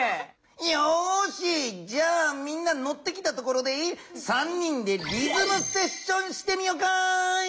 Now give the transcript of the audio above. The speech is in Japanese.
よしじゃあみんなのってきたところで３人でリズムセッションしてみよかい。